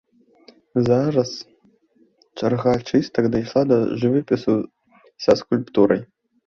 Зараз чарга чыстак дайшла да жывапісу са скульптурай.